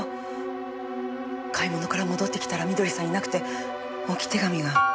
買い物から戻ってきたら美登里さんいなくて置き手紙が。